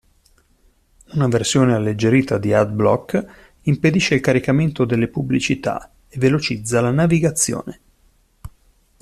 Una versione alleggerita di AdBlock impedisce il caricamento delle pubblicità e velocizza la navigazione.